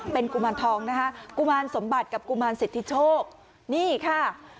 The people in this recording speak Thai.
เป็นกุมารทองนะคะกุมารสมบัติกับกุมารสิทธิโชคนี่ค่ะ